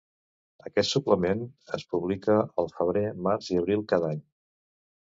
Aquest suplement es publica al Febrer, Març i Abril cada any.